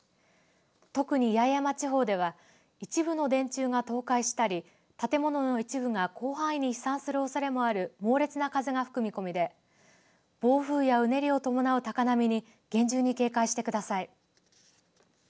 特に八重山地方では一部の電柱が倒壊したり建物の一部が広範囲に飛散するおそれのある猛烈な風が吹く見込みで暴風やうねりを伴う高波に厳重に警戒してください。